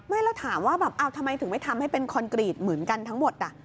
เราถามว่าแบบทำไมถึงไม่ทำให้เป็นคอนกรีตเหมือนกันทั้งหมด